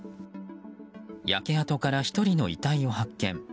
焼け跡から１人の遺体を発見。